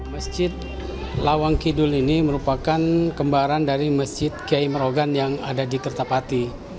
masjid lawang kidul ini merupakan kembaran dari masjid kiai merogan yang ada di kertapati